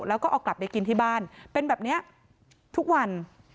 แล้วก็เอากลับไปกินที่บ้านเป็นแบบนี้ทุกวัน